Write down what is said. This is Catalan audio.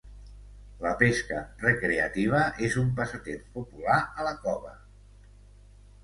La pesca recreativa és un passatemps popular a la cova.